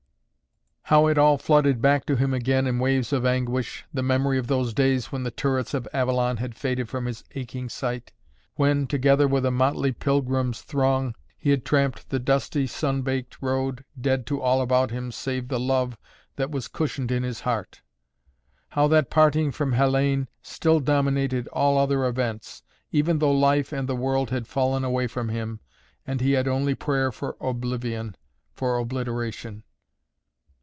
How it all flooded back to him again in waves of anguish, the memory of those days when the turrets of Avalon had faded from his aching sight, when, together with a motley pilgrims' throng, he had tramped the dusty sun baked road, dead to all about him save the love that was cushioned in his heart. How that parting from Hellayne still dominated all other events, even though life and the world had fallen away from him and he had only prayer for oblivion, for obliteration.